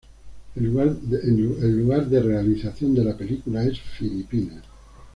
El lugar de realización de la película es Filipinas.